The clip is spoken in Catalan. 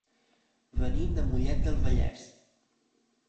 Venim de Mollet del Vallès.